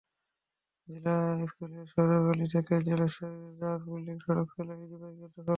জিলা স্কুলের সরু গলি থেকে জলেশ্বরীতলা জাহাজ বিল্ডিং সড়ক ছিল ইজিবাইকের দখলে।